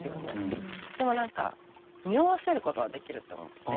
でも何かにおわせることはできると思ってて。